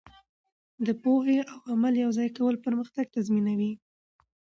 د پوهې او عمل یوځای کول پرمختګ تضمینوي.